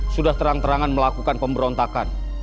sudah terang terangan melakukan pemberontakan